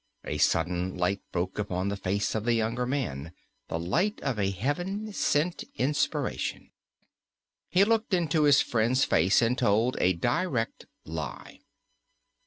A sudden light broke upon the face of the younger man, the light of a heaven sent inspiration. He looked into his friend's face, and told a direct lie.